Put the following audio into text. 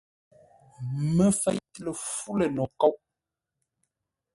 Məfeʼ lə fú lə̂ no kôʼ.